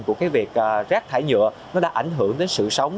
của việc rác thải nhựa đã ảnh hưởng đến sự sống